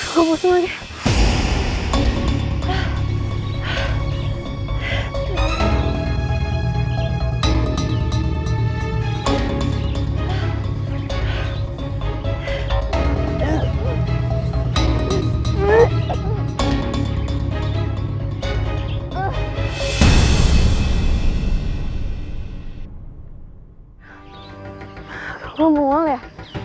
gue mau semuanya